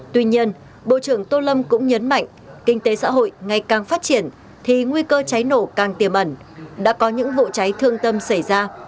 tuy nhiên bộ trưởng tô lâm cũng nhấn mạnh kinh tế xã hội ngày càng phát triển thì nguy cơ cháy nổ càng tiềm ẩn đã có những vụ cháy thương tâm xảy ra